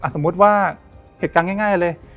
สมมุติว่าเหตุการณ์ง่ายเลย